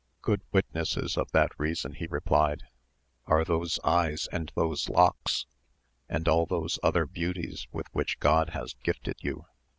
Good witnesses of that reason, he replied, are those eyes and those locks, and all those other beauties with which God has gifted you